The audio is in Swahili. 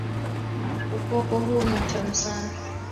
Ukoko huu ni mtamu sana.